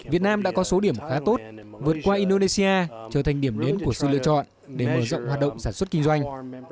việt nam đã có số điểm khá tốt vượt qua indonesia trở thành điểm đến của sự lựa chọn để mở rộng hoạt động sản xuất kinh doanh